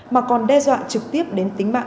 mà còn đe dọa trực tiếp đến tính mạng